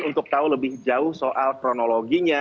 untuk tahu lebih jauh soal kronologinya